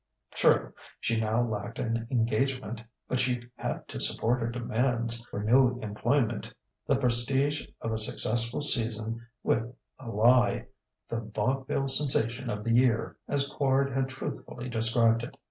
True, she now lacked an engagement; but she had to support her demands for new employment the prestige of a successful season with "The Lie" "the vaudeville sensation of the year," as Quard had truthfully described it.